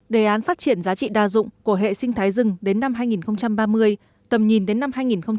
đề án phát triển giá trị đa dụng của hệ sinh thái rừng đến năm hai nghìn ba mươi tầm nhìn đến năm hai nghìn bốn mươi năm